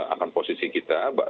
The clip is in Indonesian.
akan posisi kita